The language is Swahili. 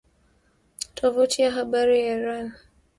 Tovuti ya habari ya Iran